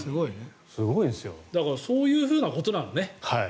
だから、そういうことなのね。